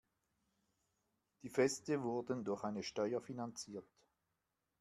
Die Feste wurden durch eine Steuer finanziert.